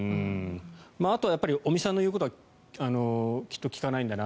あとは尾身さんの言うことはきっと聞かないんだな。